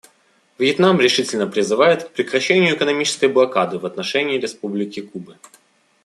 Вьетнам решительно призывает к прекращению экономической блокады в отношении Республики Кубы.